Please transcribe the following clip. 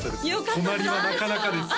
隣はなかなかですよ